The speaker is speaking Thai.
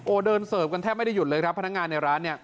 เดินเสิร์ฟกันแทบไม่ได้หยุดเลยครับพนักงานในร้านเนี่ย